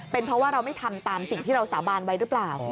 เป็นเพราะว่าเราไม่ทำตามสิ่งที่เราสาบานไว้หรือเปล่า